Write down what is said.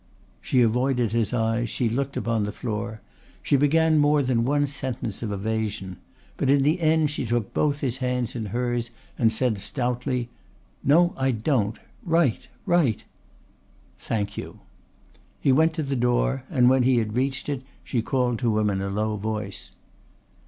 She avoided his eyes, she looked upon the floor, she began more than one sentence of evasion; but in the end she took both his hands in hers and said stoutly: "No, I don't! Write! Write!" "Thank you!" He went to the door, and when he had reached it she called to him in a low voice.